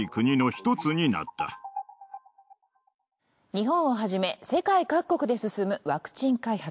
日本をはじめ世界各国で進むワクチン開発。